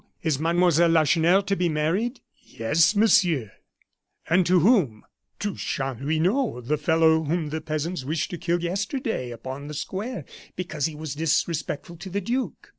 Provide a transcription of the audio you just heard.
is Mademoiselle Lacheneur to be married?" "Yes, Monsieur." "And to whom?" "To Chanlouineau, the fellow whom the peasants wished to kill yesterday upon the square, because he was disrespectful to the duke.